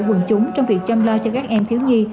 quần chúng trong việc chăm lo cho các em thiếu nhi